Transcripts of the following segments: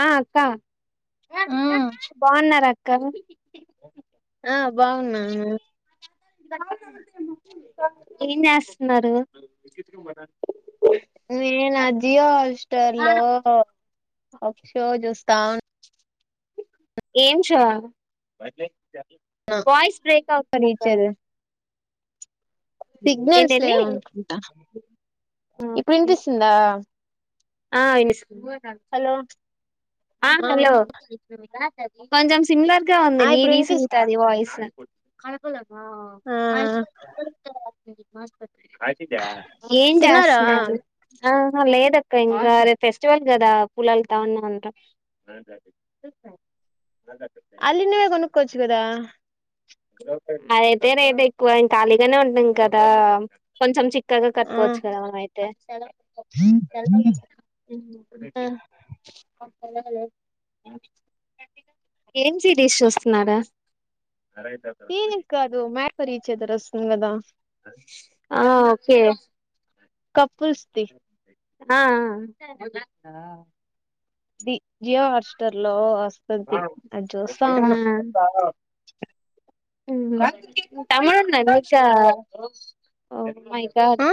ఆ అక్క ఆ బాగున్నారా అక్క ఆ బాగున్నాను ఏం చేస్తున్నారు నేనా జియో హాట్స్టార్ లో ఒక షో చూస్ తవున్ ఏం షో ఉన్నా వాయిస్ బ్రేక్ అవుతుందిక్కడ రీచర్ సిగ్నల్స్ ఏంటండి లేవనుకుంటా ఇప్పుడు ఓకే ఇనిపిస్తుందా ఆ ఇనిపిస్తుంది హలో ఆ హలో కొంచెం సిమిలర్ గా ఉంది ఆ ఇప్పుడు నీది వినిపిస్ సునీతది వాయిస్ [inaudible] ఆ ఏం తిన్నారా చేస్తన్నారు ఆ హా లేదక్క ఇంకా రే ఫెస్టివల్ కదా పూలలుతా ఉన్నాంట అల్లినవే కొన్నుకోవచ్చి గదా అదయితే రేట్ ఎక్కువ ఇంక ఖాళీగానే ఉంటున్నాం కదా కొంచెం చి చిక్కగా ఆ కట్టుకోవచ్చు కదా మన అయితే ఆ ఏం సిరీస్ చూస్తున్నారు సిరీస్ కాదు మ్యాడ్ ఫర్ ఈచ్ అథర్ వస్తుంది కదా ఆ ఓకే పుల్స్ది ఆ ఇది జియో హార్స్టర్ లో వస్తుంది అది చూస్తా ఉన్నా తమ్ముడు ఉన్నాడా ఇకా మై గాడ్ ఆ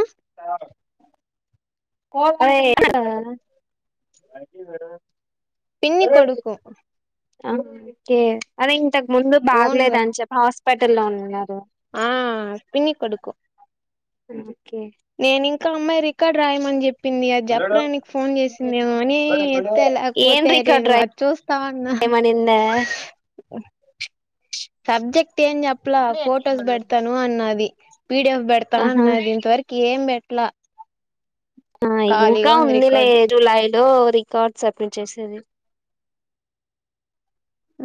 అదే పిన్ని కొడుకు ఓకే అదే ఇంతకు ముందు ఓన్ గా బాగలేదని చెప్పి హాస్పిటల్ల్లో ఉన్నారు ఆ పిన్ని కొడుకు అ నేను ఇంకా ఆ అమ్మాయి రికార్డ్ రాయమని చెప్ పింది అది చెప్పడానికి ఫోన్ చేసిందేమో అని ఎత్తా ఏం లేకపోతే రికార్డ్ నేను రా అది చూస్తా ఉన్నా ఏమనిందా సబ్జెక్ట్ టెం చెప్పలా ఫొటోస్ పెడతాను అన్నది పీడిఎఫ్ పెడతా ఆహా అన్నది ఇంతవరకు ఏం పెట్లా ఆ ఇంకా ఉంది లే జూలై లో రికార్డ్ సబ్మిట్ చేసేది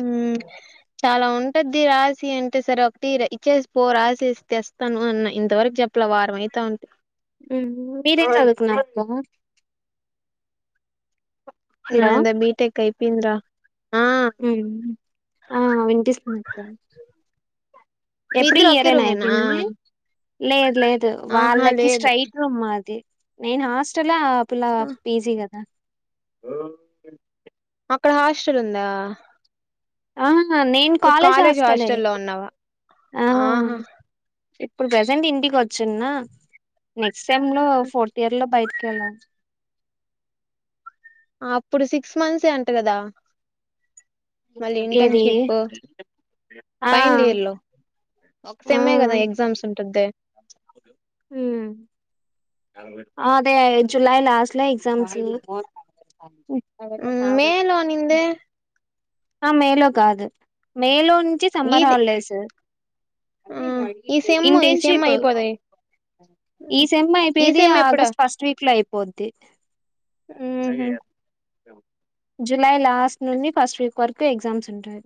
ఉ చాలా ఉంటద్ది రాసి అం అంటే సరే ఒకటి ఇచ్చేసి పో రాసేసి తెస్తాను అన్న ఇంతవరకు చెప్పలా వారం అయితా ఉంది మీరేం చదువుకున్నారు నాదా బీటెక్ అయిపోంద్రా ఊమ్ ఆ వినిపిస్తుంది అక్క మీ ఎప్పుడు ఇద్దరు ఈ ఇయర్ ఒకే ఏ నా రూమేనా ఐపోయింది నీది లేదు లేదు ఆహా వాళ్ళకి లేదు స్ట్రైట్ రూమ్ మాది నేను హాస్టల పిల్లా ఆ, పీజీ కదా అక్కడ హాస్టల్ ఉందా ఆ నేను నువ్వు కాలేజ్ హాస్టలే హాస్టల్లో ఉన్నావా ఆ ఆహా ఇప్పుడు ప్రెసెంట్ ఇంటికి వచ్చున్న నెక్స్ట్ సెమ్ లో ఫోర్త్ ఇయర్ లో బయ్ కెలా అప్పుడు సిక్స్ మంత్స్ ఏ అంట కదా మళ్ళీ ఏది ఇంటర్న్షిప్ ఆ ఫైనల్ ఇయర్ లో ఒక సెమ్ ఏ కదా ఎగ్జామ్స్ ఉంటది ఊ అదే జులై లాస్ట్ల సమ్ సీ మే లో అనిందే ఆ మేలో కాదు మేలో నుంచి సమ్మర్ ఇది హాలిడేస్ ఆ ఈ సెమ్ ఈ సెమ్ ఇంటెర్న్షిప్ అయిపోది ఈ సేమ్ ఈ అయిపోయది సెమ్ ఎప్పుడా ఆగస్ట్ ఫస్ట్ వీక్ లో అయిపోద్ది ఊహు జులై లాస్ట్ నుండి ఫస్ట్ వీక్ వరకు ఎగ్జామ్స్ ఉంటాయి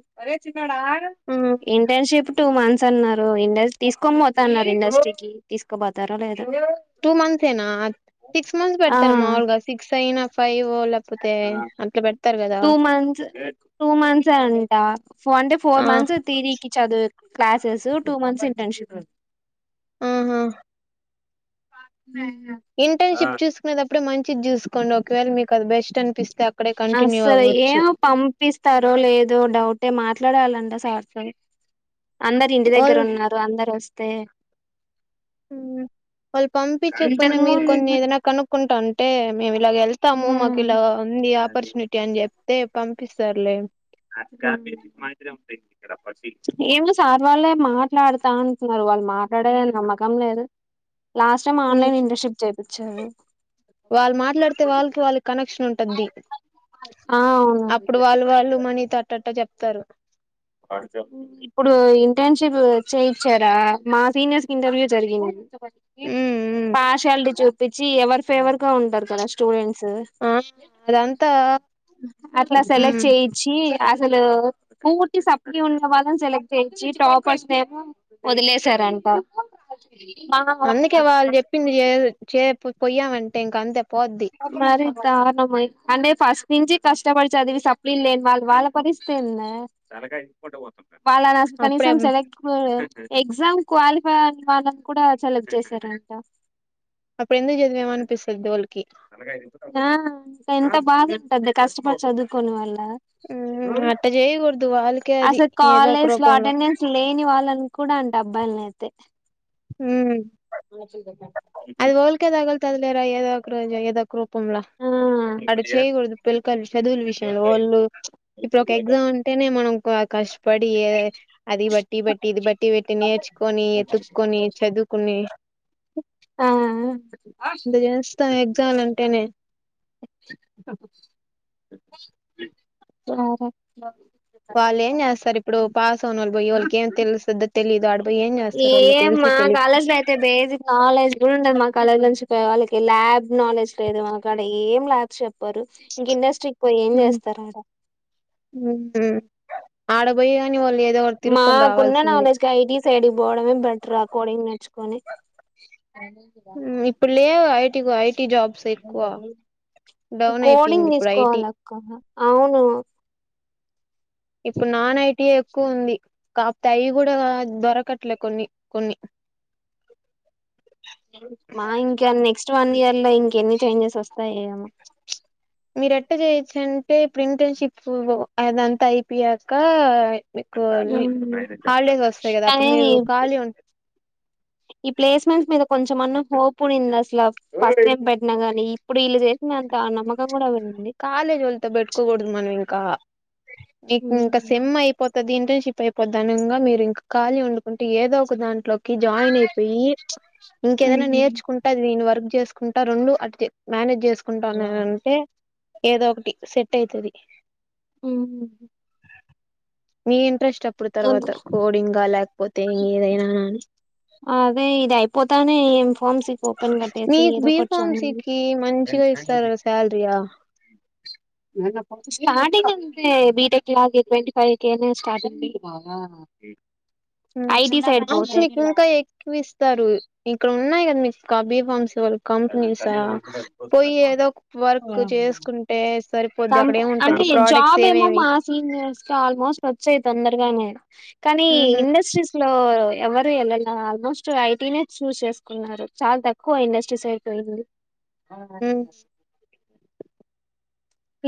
ఇంటర్న్షిప్ టూ మంత్స్ అన్నారు ఇండస్ తీసుకొని పోతా అన్నారు ఇండస్ట్రీకి తీసుకోపోతారో లేద్ టూ మంత్స్ ఏనా సిక్స్ మంత్స్ ఆ పెడతారే మావులుగా సిక్స్ అయినా ఫైవ్ ఊ లే తే అంత బ టూ మంత్స్ టూ మంత్స్ ఏ అంట అంటే ఫోర్ ఆ మంత్స్ తిరికి చదువు క్లాసెసు టూ మంత్స్ ఇంటర్న్షిప్ ఉ ఆహా ఇంటర్న్షిప్ చూసుకునేటప్పుడే మంచిది చూసుకోండి ఒకవేళ మీకు అది బెస్ట్ అనిపిస్ అస్సలు ఏమో పంపిస్తారో లేదో డౌటే మాట్లాడాలా అంట సార్ తో అందరు ఇంటి దగ్గర వాళ్ళు ఉన్నారు అందరు వస్తే ఊ వాళ్ళు పంపించకపోయినా ఇంతకు మీరు ముందు కొన్ని ఏదైనా కనుక్కుంటా అంటే మేము ఇలాగ వెళ్తాము మాకు ఇలా ఉంది ఆపర్చునిటీ అని చెప్తే పంపిస్తారులే ఏం లే సార్ వాళ్ళే మాట్లాడతా అంటున్నారు వాళ్ళు మాట్లాడే నమ్మకం లేదు లాస్ట్ టైం ఆన్లైన్ ఇంటర్న్షిప్ చేపిచ్చారు వాళ్ళు మాట్లాడితే వాళ్ళకి వాళ్ళ కనెక్షన్ ఉం టది ఆ అవును అప్పుడు వాళ్ళు వాళ్ళు మనీ త అట్టట్ట చెప్తారు ఇప్పుడు ఇంటర్న్షిప్ చేయిచ్చారా మా సీనియర్స్ కి ఇంటర్వ్యూ జరిగింది హ్మ్. హ్మ్. పార్షాలిటీ చూపించి ఎవర్ ఫేవర్ గా ఉంటారు కదా స్టూడెంట్స్ ఆ! అదంతా అట్లా సెలెక్ట్ హ్మ్. చేపించి అసలు పూర్ ఈ సప్లి ఉన్న వాళ్ళని సెలెక్ట్ చేచ్చి టాపర్స్ నెమో వదిలేసారంట అందుకే వాళ్ళు చెప్పింది చేప్ పోయమంటే ఇంక అంతే పోద్ది. మరి దార్నమయి అంటే ఫస్ట్ నుంచి కష్టపడిచదివి సప్లిన్ లేని వాళ్ వాళ్ళ పరిస్థితి ఏందే వాళ్ళనసల్ అప్పుడే కనీసం సెలక్పో ఎగ్జామ్ క్వాలిఫై అయిన వాళ్ళను కూడా సెలెక్ట్ చేశారంట అప్పుడు ఎందుకు జదివామా అనిపిసది దూల ఆ ఎంత బాదుంటది కష్టపడి చదువుకోని వాళ్ళు ఉమ్ అసలు ఏదో ఒక కాలేజ్ లో రూపంలో. అటెండెన్స్ లేని వాళ్ళని కూడా అంటం. అబ్బాల్ని అయితే ఉమ్ అది ఓల్కె తగులుతాది ఏదో రోజు ఏదో ఒక రూపంలా అలా చేయ్యకూడదు పిల్లకల్ చదువుల విషయంలో వాళ్ళు ఇప్పుడు ఒక ఎగ్జామ్ అంటేనే మనంశ పడి యే అది బట్టి బట్టి ఇది బట్టి పెట్టి నేర్చుకొని ఎతు చదుకున్ని ఆ ఆ ఇంత చేస్తాం ఎగ్జామ్లు అంటేనే సరే వాళ్ళేం జెస్తారు ఇప్పుడు పాస్ అవునోళ్ల బోయళ్ళకీ ఏం తెలుస్తద తెలి ఏం మా కాలేజ్ లో అయితే బేసిక్ నాలెడ్జ్ గుడా ఉండదు మాక్ కాలేజ్ నుంచి పోయే వాళ్ళకి ల్యాబ్ నాలెడ్జ్ లేదు. మన కడ ఏం ల్యాబ్స్ చెప్ ప్పరు ఇంక ఇండస్ట్రీకి పోయి ఎం చేస్తార్ ఆడ ఆడ బోయ మాకున్న నాలెడ్జ్ కి ఐటీ సైడ్ కి బోవడమే బెటర్ అ కోడింగ్ నేర్చుకొని ఇప్పులేవ్ ఐటీ ఐటి జాబ్స్ ఎక్కువ డౌన్ కోడింగ్ అయిపోయింది ఇప్పుడు ఐటీ తీసుకోవాలి అక్క అవును ఇప్పుడు నాన్ ఐటి ఎ ఎక్కువ ఉంది. కాపోతే అయి గుడా దొరకట్లే కొన్ని కొన్ని మా ఇంకా నెక్స్ట్ వన్ ఇయర్ లో ఇంక ఎన్ని చేంజెస్ వొస్థాయే ఏమో మీర్ ఎట్ట చేయొచ్చు అంటే ప్రింటర్న్షిపు అదంతా అయిపియాకా మీకు లి హాలిడేస్ వొస్తయి గదా అప్పుడు కానీ మీరు ఖాళీ ఉ ఈ ప్లేస్మెంట్స్ మీద కొంచెమ్ అన్న హోప్ ఉనింది. అసల ఫస్ట్ టైం పెట్నా గానీ ఇప్పుడు ఈళ్ళు చే నాంత నమ్మకం కూడా పోయింది కాలేజీ వొళ్లతో బెట్టుకో గూడదు మనం ఇంకా నీకు ఇంకా సేమ్ అయిపోతదీ న్ ఇంటర్న్ షిప్ అయిపోద్దానంగా మీరు ఇంకా ఖాళీ ఉండుకుంటే ఏదో ఒక దాంట్లో కి జాయిన్ అయిపోయి ఇంకే ఏదన్నా నేర్చుకుంటది దీని వరకు జెసుకుంటా రెండు అటుతే మానేజ్ చేసుకుంట అన్ నేన అంటే ఏదో ఒకటి సెట్ అయితది. ఉ మీ ఇంట్రెస్ట్ అప్పుడు తర్వాత కోడింగ లేకపోతే ఇంగ ఏదైనా అదే ఇది అయిపోతానేే ఎం హోమ్స్ ఇక్ ఓపెన్ కట్టేసి మీకు ఏదో ఒకటి బీఫార్మసీ చాయండి కి మంచిగా ఇస్తారు శాలరీయా నన్నప్పచ్ స్టార్టింగ్ అంతే బిటెక్ లాగె ట్వంటి ఫైవ్ కెనే స్టార్టింగ్ ఉమ్ ఐటీ సైడ్ అయినా పోతే మీకు ఇంకా ఎక్కువ ఇస్తారు. ఇక్కడ ఉన్నాయి గదా మీకు క్క బీఫామ్స్ వల్ కంపెనీసా పోయి ఏదో ఓక్ వర్క్ చేసుకుంటే సరిపోద్ది సం అక్కడ ఏమో అంటే జాబ్ ఏమో మా సీనియర్స్ కి ఆల్మోస్ట్ వొచ్చాయి తొందరగానే కానీ ఇండస్ట్రీస్ లో ఎవరు ఎల్లలే ఆల్మోస్ట్ ఐటీనే చూజ్ చేసుకున్నారు. చాలా తక్కువ ఇండస్ట శిస్ సైడ్ లో వెళ్లి ఉ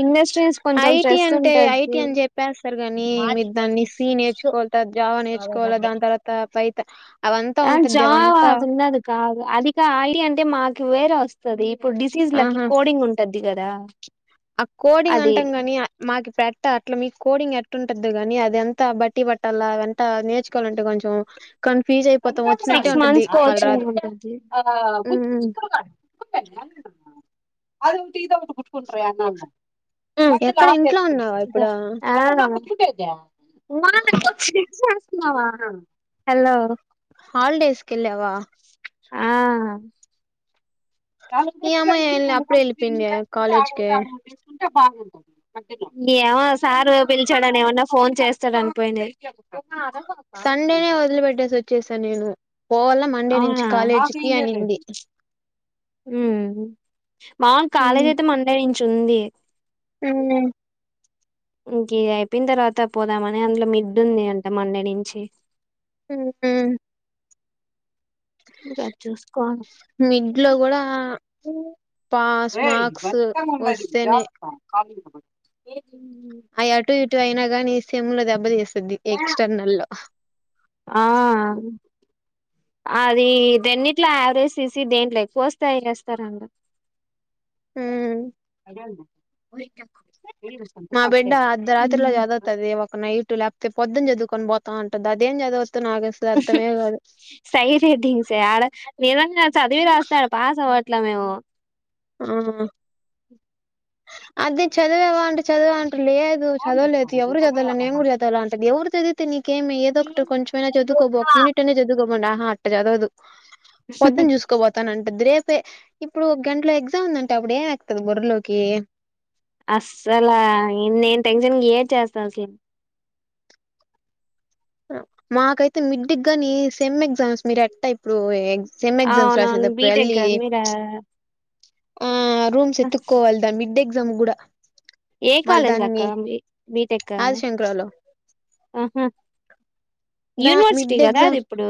ఇండస్ స్ట్రీస్ కొంచెం ఐటి స్ట్రెస్ అంటే ఉంటది. ఐటి అని చెప్పేస్తారు గాని మీరు దాన్ని సి నేర్చుకోవాల జావా నేర్చుకోవాల దాని తర్వాత పైత అవంతా ఆ ఉంటది జావ అవంతా అది ఉన్నది కాదు అదిక ఆంటీ అంటే మాక్ కు వేరే వొస్తది ఇప్పుడు డిసీజ్లకి ఆహా కోడింగ్ ఉంటద్ధి గదా ఆ కోడింగ్ అంటాం గాని ఆ మాకి ప్రాక్ ట అట్లా మీకు కోడింగ్ ఎట్టుంటద్దో గాని అది అంత బట్టి పట్టాల్ల అంట నేర్చుకోవాలంటే కొంచెం కన్ఫ్యూజ్ అయిపోతాం. వొచ్చినట్టే సిక్స్ ఉంటద్ది మంత్స్ మళ్ కోచింగ్ రాదు ఉంటది అది టి దాగుతం ఉ ఎక్కడ ఇంట్లో ఉన్నావా ఇప్పుడు ఆ హలో హాలిడేస్ కి ఎళ్ళావా ఆ [unintelligible] ఈ అమ్మాయి అప్పుడే వెళ్ళిపోయింది కాలేజ్ కి బాగుంటది ఏమో సార్ పిలిచాడని ఏమన్నా ఫోన్ చేస్తాడు అని పోయింది. సండేనే వదిలి పెట్టేసి వచ్చేసా నేను పోవాల మండే నుంచి అవునా కాలేజీకి అనింది ఉ మా కాలేజ్ ఉమ్. అయితే మండే నుంచి ఉంది ఉమ్ ఇంకేందై అయిపోయిన తర్వాత పోదామని అందులో మిడ్డ్ ఉంది అంటే మండే నుంచి ఉహు ఇగ చూసుకోవాలి మిడ్ లో కూడా పాస్ రేయ్ మార్క్స్ మొత్తం ఉంగది వస్తేనే జత కాలి అయ్య అటు ఇటు అయినా గానీ సేమ్లో దెబ్బ తీస్ ది ఎక్స్టర్నల్ లో ఆ అది దేండిట్లో యావరేజ్ తీసి దేంట్లో ఎక్కువస్తాయ్ ఎస్తారంట ఉహ్ ఓయ్ ఓయ్ నా బిడ్డ అర్ధరాత్రిలో జాదువుతాది ఒక నైట్ ల్యాప్ పొద్దు జదువుకోని పోతా ఉంటంది అదేం చదువు ఉహు సై హేడింగ్స్ ఆడ నిజంగా చదివి రాస్తే ఆ పాస్ అ ఇట్లా మెమో ఆ అది చదీవాంట చదివాంట లేదు చదవలేదు ఎవరు చదవాల నేన్ కూడా చదవ అంటది ఎవరు చదివితే నీకేమి ఏద ఒకటి కొంచెమైనా చదువు ఒక యూనిట్ అనే చదువుకోమ ఆహా అట్ట చదవదు పొద్దు చూసుకోపోతానం రేపే ఇప్పుడు ఒక గంటలో ఎగ్జామ్ ఉందంటే అప్పుడు ఏం ఎక్కుంతుంది బుర్రలోకి అస్సలా ఇంగేమ్ టెన్షన్ ఏం చేస్తాం మాకైతే మిడ్డిక్గాని సెమ్ ఎగ్జామ్స్ మీరు ఎట్ట ఇప్పుడు ఎ సెమ్ ఎగ్జామ్స్ అవునవును రాసేదప్పుడు బీటెక్ ఏలి కదా మీరా ఆ రూమ్స్ ఎతుక్కోవాలి దా మిడ్డే ఎగ్జామ్ గూడా ఏ కాలేజ్ అక్క బి బిటెక్క ఆదిశంకరాలో ఆహా ఆ యూనివర్సిటీ మిడ్డే కదా అది ఎగ్జామ్స్ ఇప్పుడు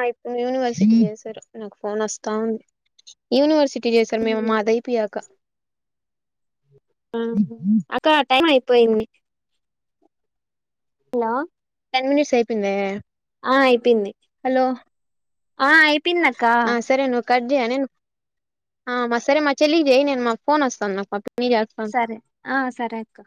ఆ యూనివర్సిటీ జెస్తరు నాకు ఫోన్ వస్తా ఉంది యూనివర్సిటీ జేసిరు మేము మా దీపియక ఉం అక్క టైమ్ అయిపోయింది హలో టెన్ మినట్స్ అయిపోయిందే ఆ అయిపోయింది హలో ఆ అయిపోయింది అక్క ఆ సరే నువ్వు కట్ జేయ నేను ఆ మా సరే మా చెల్లికి జేయ్ నేను మాకు ఫోన్ వస్తాంది నాకు పిన్ని చేస్తాంది సరే ఆ సరే అక్క